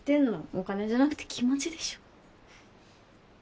お金じゃなくて気持ちでしょ。